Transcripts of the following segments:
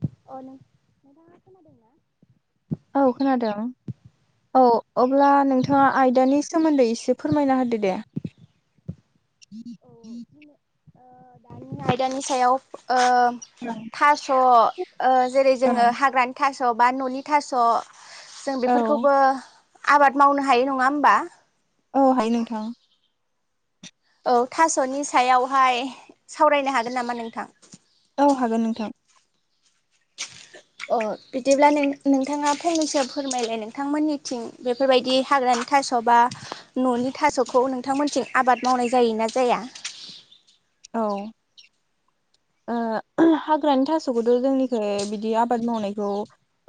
अ नों-नोंथांआ खोनादोंना? औ खोनादों औ अब्ला अ नोंथां नोंथाङा आयदानि सोमोन्दै एसे फोरमायना होदो दे। औ बिनो ओ दानि आयदानि सायाव ओ औ थास' ओ जेरै औ जोङो हाग्रानि था थास'बा न'नि थास' जों औ बेफोरखौबो आबाद मावनो हायो नङा होमबा? औहाय नोंथां। औ थास'नि सायावहाय सावरायनो हागोन नामा नोंथां? औ हागोन नोंथां। अ बिदिब्ला नों-नोंथाङा फंनैसो फोरमायलाय नोंथांमोननिथिं बेफोरबायदि हाग्रानि थास'बा न'नि थास'खौ नोंथांमोनथिं आबाद मावनाय जायोना जाया? औ ओ हाग्रानि थास'खौथ' जोंनिखै बिदि आबाद मावनायखौ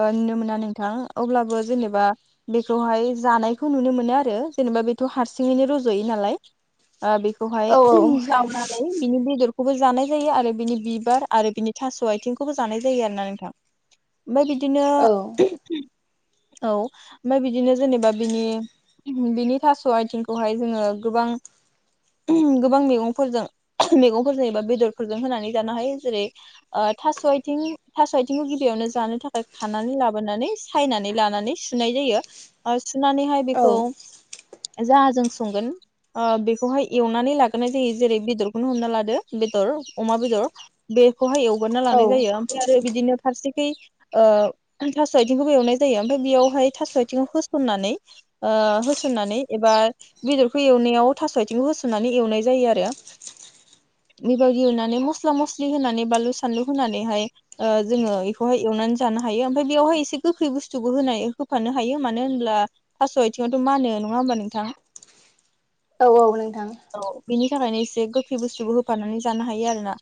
ओ नुनो मोना नोंथां अब्लाबो जेनेबा बेखौहाय जानायखौ नुनो मोनो आरो जेनेबा बेथ' हारसिङैनो रज'यो नालाय। ओ बेखौहाय औ जावनानै बिनि बेदर खौबो जानाय जायो आरो बिनि बिबार आरो बिनि थास' आथिंखौबो जानाय जायो आरोना नोंथां। ओमफ्राय बिदिनो औ औ ओमफ्राय बिदिनो जेनेबा बिनि बिनि थास' आइथिंखौहाय जोङो गोबां गोबां मैगंफोरजों मैगंफोरजों एबा बेदरफोरजों होनानै जानो हायो जेरै ओ थास' आथिं थास' आथिंखौ गिबियावनो जानो थाखाय खानानै लाबोनानै सायनानै लानानै सुनाय जायो। सुनानैहाय बेखौ औ जाहाजों संगोन बेखौहाय एवनानै लाग्रोनाय जायो जेरै बेदरखौनो हमना लादो बेदर अमा बेदर‌ बे खौहाय एवगारना लानाय औ जायो ओमफ्राय आरो बिदिनो फारसेखै ओ थास' आथिंखौबो एवनाय जायो ओमफ्राय बेयावहाय थास' आथिं होसननानै ओ होसननानै एबा बेदरखौ एवनायाव थास' आथिंखौ होसननानै एवनाय जायो आरो बेबादि एवनानै मस मस्ला मस्लि होनानै बानलु सानलु होनानैहाय ओ जोङो बेखौहाय एवनानै जानो हायो ओमफफ्राय बेयावहाय एसे गोखै बुस्थुबो होन होफानो हायो मानो होनब्ला थास' आथिङावथ' मानो नङा होमबा नोंथां? औ औ नोंथां। औ बिनि थाखायनो एसे गोखै बुस्थुबो होफानानै जानो हायो आरो ना।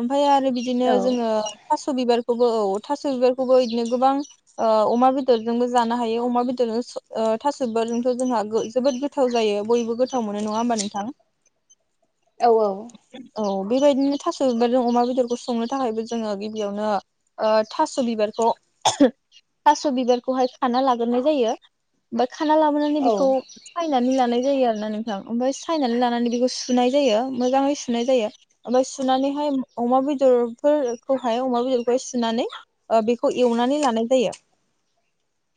ओमफ्राय आरो बिदिनो औ जोङो थास थास' बिबारखौबो औ थास' बिबारखौबो इदिनो गोबां ओ अमा बेदरजोंबो जानो हायो अमा बेदरजों स ओ थास' बिबारजोंथ' जोंहा गो जोबोद गोथाव जायो बयबो गोथाव मोनो नङा होमबा नोंथां? औ औ। औ बेबायदिनो थास' बिबारजों अमा बेदरखौ संनो थाखायबो जोङो गिबियावनो ओ थास' बिबारखौ थास' बिबारखौहाय खाना लाग्रोनाय जायो। खाना लाबोनानै औ बेखौ सायनानै लानाय जायो आरोना नोंथां ओमफाय सायनानै लानानै बेखौ सुनाय जायो मोजाङै सुनाय जायो ओमफाय सु सुनानैहाय अमा बेदरफोर खौहाय अमा बेदरखौहाय सुनानै ओ बेखौ एवनानै लानाय जायो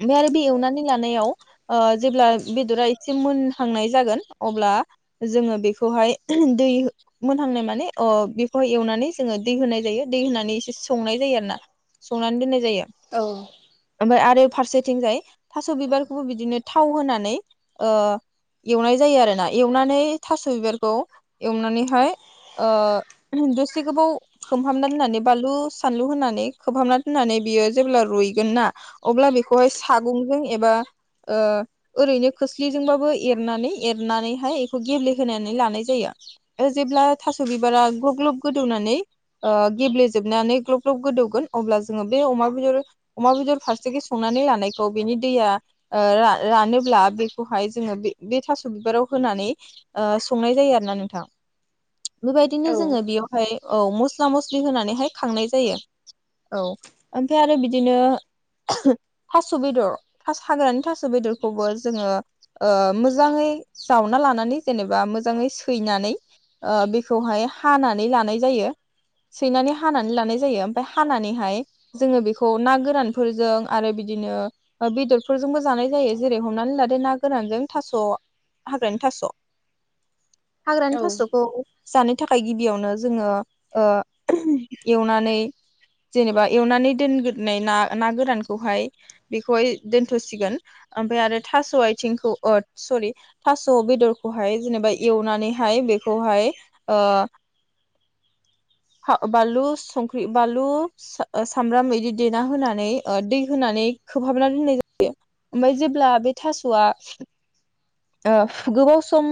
ओमफ्राय आरो बे एवनानै लानायाव ओ जेब्ला बेदरा एसे मोनहांनाय जागोन अब्ला जोङो बेखौहाय दै मोनहांनाय माने अ बेखौ एवनानै जोङो दै होनाय जायो दै होनानै एसे संनाय जायो आरोना संनानै दोननाय जायो। औ। ओमफाय आरो फारसेथिंजाय थास' बिबारखौबो बिदिनो थाव होनानै ओ एवनाय जायो आरोना एवनानै थास' बिबारखौ एवनानैहाय ओ दसे गोबाव खोबहाबना दोननानै बानलु सानलु होनानै खोबहाबना दोननानै बियो जेब्ला रुइगोन ना अब्ला बेखौहाय सागंजों एबा ओ ओरैनो खोस्लिजोंबाबो एरनानै एरनानैहाय बेखौ गेब्लेहोनानै लानाय जायो ओ जेब्ला थास' बिबारा ग्लब ग्लब गोदौनानै ओ गेब्लेेजोबनानै ग्लब ग्लब गोदौगोन अब्ला जोङो बे अमा बेदर अमा बेदर फारसेखै संनानै लानायखौ बेनि दैया ओ रा रानोब्ला बेखौहाय जोङो बे बे थास' बिबाराव होनानै ओ संनाय जायो आरो ना नोंथां बेबायदि औ जोङो बेयावहाय औ मस्ला मस्लि होनानैहाय खांनाय जायो। औ ओमफ्राय आरो बिदिनो थास' बेदर हाग्रानि थास' बेदरखौबो जोङो ओ मोजाङै जावना लानानै जेनेबा मोजाङै सैनानै ओ बेखौहाय हानानै लानाय जायो सैनानै हानानै लानाय जायो ओमफाय हानानैहाय जोङो बेखौ ना गोरानफोरजों आरो बिदिनो ओ बेदरफोरजोंबो जानाय जायो जेरै हमनानै लादो ना गोरानजों थास' हाग्रानि थास'। औ हाग्रानि थास'खौ जानो थाखाय गिबियावनो जोङो ओ ओहुम एवनानै जेनेबा एवनानै दोनग्रोनाय ना ना गोरानखौहाय बेखौहाय दोनथ'सिगोन ओमफाय आरो थास' आथिंखौ अ सरि थास' बेदरखौहाय जेनेबा एवनानैहाय बेखौहाय ओ फा बानलु संख्रि बानलु स सामब्राम बिदि देना होनानै ओ दै होनानै खोबहाबना दोननाय जायो ओमफ्राय जेब्ला बे थास'आ ओ गोबाव सम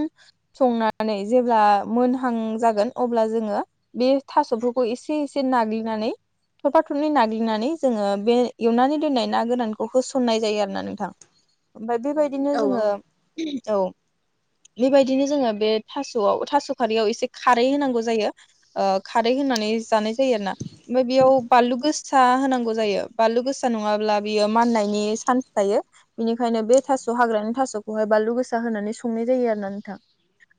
संनानै जेब्ला मोनहा हांजागोन अब्ला जोङो बे थास'फोरखौ एसे एसे नाग्लिनानै थरफा थरनै नाग्लिनानै जोङो बे एवनानै दोननाय ना गोरानखौ होसननाय जायो आरोना नोंथां। ओमफाय बेबायदिनो औ जोङो औ बेबायदिनो जोङो बे थास'आव थास' खारैयाव एसे खारै होनांगौ जायो ओ खारै होनानै जानाय जायो आरो ना ओमफ्राय बेयाव बानलु गोसा होनांगौ जायो बानलु गोसा नङाब्ला बियो माननायनि सान्स थायो बेनिखायनो बे थास' हाग्रानि थास'खौहाय बानलु गोसा होनानै संनाय जायो आरो ना नोंथां।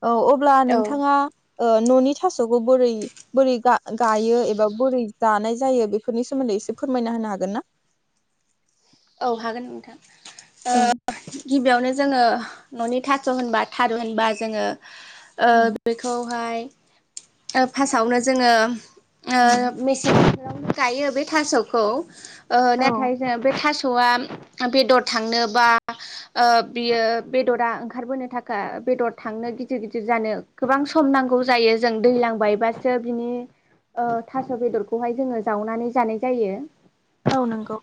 औ अब्ला नोंथ ओ न'नि थास'खौ बोरै बोरै गा-गायो एबा बोरै जानाय जायो बेफोरनि सोमोन्दै एसे फोरमायना होनो हागोन ना? औ हागोन नोंथां। ओ औ गिबियावनो ज जोङो न'नि थास' होनबा थारुन होनबा जोङो ओ उम बेखौहाय ओ फास्टआवनो जोङो ओ उम मेसें [unintelligible] गायो बे थास'खौ। ओ औ नाथाय जोंहा बे थास स'आ बेदर थांनो बा ओ बियो बेदरा ओंखारबोनो थाखाय बेदर थांनो गिदिर गिदिर जानो गोबां सम नांगौ जायो जों दैलां बायबासो बिनि ओ थास' बेदरखौहाय जोङो जावनानै जानाय जायो। औ नंगौ।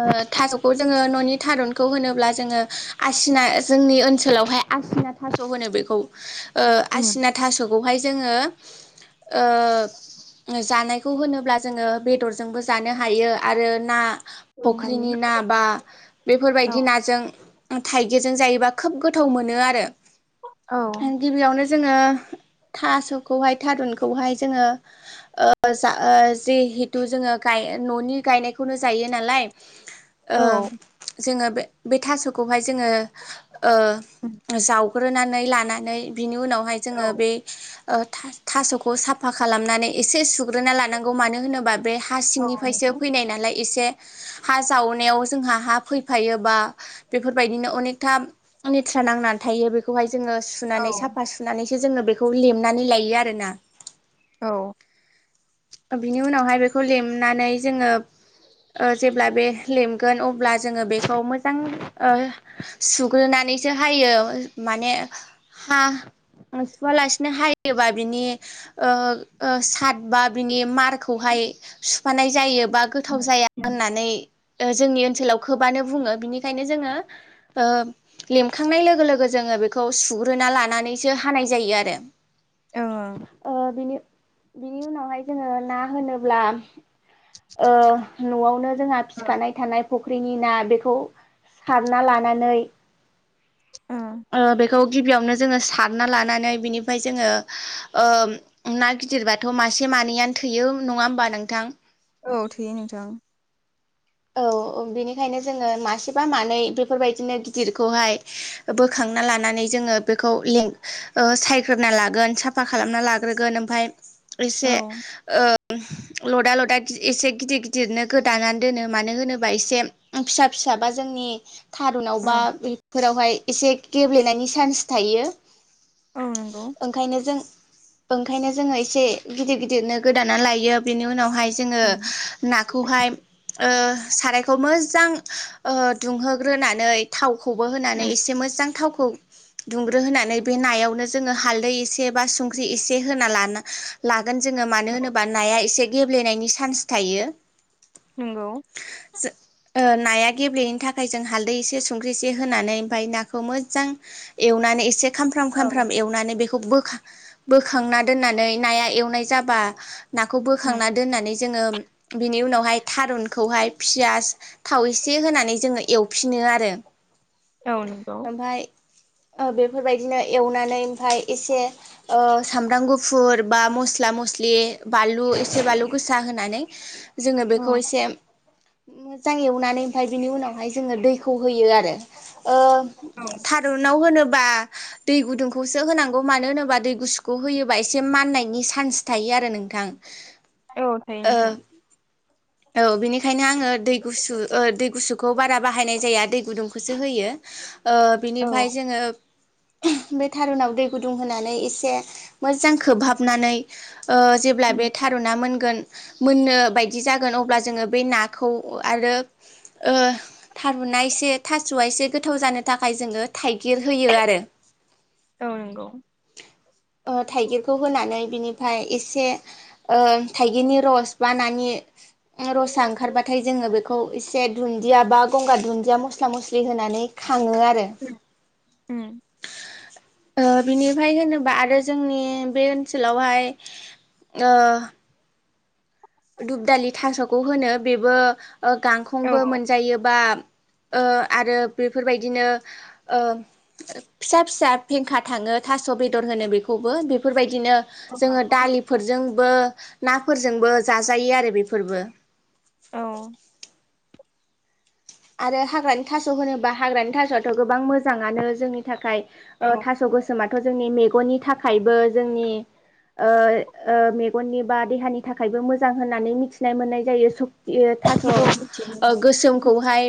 ओ थास'खौ जोङो न'नि थारुनखौ होनोब्ला जोङो आसिना जोंनि ओनसोलावहाय आसिना थास' होनो बेखौ ओ उम आसिना थास'खौहाय जोङो ओ जानायखौ होनोब्ला जोङो बेदरजोंबो जानो हायो आरो ना औ फख्रिनि हायो ना बा औ बेफोरबायदि नाजों थाइगिरजों जायोबा खोब गोथाव मोनो आरो औ गिबियावनो जोङो थास'खौहाय थारुनखौहाय जोङो ओ जा जिहेतु जोङो गाय न'नि गायनायखौनो जायो नालाय ओ औ जोङो बे बे थास'खौहाय जोङो ओ औ जाव- ग्रोनानै लानानै बिनि उनावहाय औ जोङो बे अ था-थास'खौ साफा खालामनानै एसे सुग्रोना लानांगौ मानो होनोबा बे हा औ सिंनिफ्रायसो नंगौ फैनाय नालाय एसे हा जावनायाव जोंहा हा फैफायोबा बेफोरबायदिनो अनेकथा लेथ्रा नांनानै थायो बेखौहाय जोङो औ सुनानै साफा सुनानै जोङो बेखौ लेमनानै लायो आरोना औ बिनि उनावहाय बेखौ लेमनानै जोङो ओ जेब्ला बे लेमगोन अब्ला जोङो बेखौ मोजां अ सुग्रोनानैसो हायो माने हाह सुवा लासिनो हायोबा बिनि ओ-ओ सादबा बिनि मारखौहाय सुफानाय जायो बा गोथाव जाया होननानै ओ जोंनि ओनसोलाव खोबानो बुङो बिनिखायनो जोङो ओ लेमखांनाय लोगो लोगो जोङो बे- खौ सुग्रोना लानानैसो हानाय जायो आरो औ ओ बिनि बिनि उनावहाय जोङो ना होनोब्ला ओ न'आवनो जोंहा फिसिखानाय थानाय फुख्रिनि ना बेखौ सारना लानानै अ बे- खौ गिबियावनो जोङो सारना लानानै बिनिफ्राय जोङो अ ना गिदिरबाथ' मासे मा- नैयानो थैयो नङा होमबा नोंथां औ थोयो नोंथां औ - औ बेनिखायनो जोङो मासेबा मानै बेफोरबायदिनो गिदिरखौहाय बोखांना लानानै जोङो बेखौ लें ओ सायग्रोना लागोन साफा खालामना लाग्रोगोन ओमफ्राय एसे औ ओ लदा-लदा गि एसे गिदिर-गिदिरनो गोदाना दोनो। मानो होनोबा एसे फिसा-फिसा बा जोंनि थारुनाव औ बा बेफोरावहाय एसे गेब्लेनायनि चान्स थायो। नंगौ ओंखायनो जों ओंखायनो जोङो एसे गिदिर गिदिरनो गोदाना लायो बेनि उनावहाय जोङो नंगौ नाखौहाय ओ सारायखौ मोजां ओ दुंहोग्रोनानै थावखौ खौबो होनानै एसे मोजां थावखौ खौ दुंग्रो होनानै बे नायावनो जोङो हालै एसे बा संख्रिसे होना लाना लाग गोन जोङो मानो होनोबा नाया एसे गेब्लेनायनि चान्स थायो। नंगौ। जों ओ नाया गेब्लेयैनो थाखाय जों हालदै एसे संख्रि एसे होनानै ओमफफ्राय नाखौ मोजां एवनानै एसे खामफ्राम औ खामफ्राम एवनानै बेखौ खौ बोखा बोखांना दोननानै नाया एवनाय जाबा नाखौ बोखांना दोननानै जोङो बिनि उनावहाय थारुनखौहाय फियास थाव एसे होनानै जोङो एवफिनो आरो औ नंगौ। अ बेफोरबायदिनो एवनानै ओमफाय एसे सामब्राम गुफुर बा मस्ला मस्लि बानलु एसे बानलु गोसा होनानै जोङो औ बेखौ एसे मोजां एवनानै ओमफाय बिनि उनावहाय जोङो दैखौ होयो आरो ओ थारुनाव होनो बा दै गुदुंखौसो होनांगौ मानो होनोबा दै गुसुखौ होयोबा एसे माननायनि चान्स थायो आरो नोंथां। औ थायो ओ नोंथां। औ बेनिखायनो आङो दै गुसु अ दै गुसुखौ बारा बाहायनाय जाया दै गुदुंखौसो होयो। ओ औ बिनिफ्राय जोङो बे थारुनाव दै गुदुं होनानै एसे मोजां खोबहाबनानै ओ जेब्ला बे थारुना मोन गोन मोननो बायदि जागोन जागोन अब्ला जोङो बे नाखौ आरो ओ थारुनना एसे थास'वआ एसे गोथाव जानो थाखाय जोङो थाइगिर होयो आरो। औ नंगौ औ अ थाइगिरखौ होनानै बिनिफ्राय एसे थाइगिरनि रस बा नानि रसा ओंखारबाथाय जोङो बेखौ एसे दुन्दिया बा गंगार दुन्दिया मस्ला मस्लि होनानै खाङो आरो ओ बिनिफ्राय होनोबा आरो जोंनि बे ओनसोलावहाय अ दुब दालि थास'खौ होनो बेबो गांखंबो मोनजायोबा आरो बेफोरबायदिनो फिसा फिसा फेंखा थाङो थास' बेदर होनो बेखौबो बेफोरबायदि दिनो जोंङो दालिफोरजों बो नाफोरजोंबो जाजायो आरो बेफोरबो औ आरो हाग्रानि थास' होनोब्ला हाग्रानि थास'आथ' गोबां मोजांङानो जोंनि थाखाय ओ थास' गोम मा थ' जोंनि मेगननि थाखायबो जोंनि ओ ओ मेगननि बा देहानि थाखायबो मोजां होननानै मिथिनो मोननाय जायो सु यो थास' औ ओ गोसोम फाय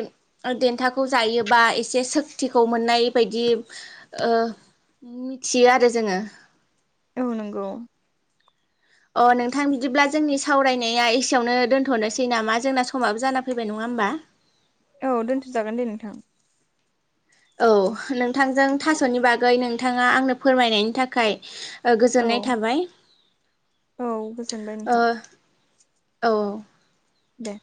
देन्थाखौ जायोबा एसे सक्तिखौ मोननाय बायदि ओ मिथियो आरो जोंङो औ नांगौ अ नोंथां बिदिब्ला जोंनि सावरायनाया एसेयावनो दोन्थ'नोसै नामा जोंना समाबो जाना फैबाय नङा होमबा औ दोनथ'जागोन दे नोंथां औ नों थांजों थास'नि बागै नों थाङा आंनो फोरमायनायनि थाखाय औ गोजोननाय थाबाय औ गोजोनबाय ओ नोंथां औ दे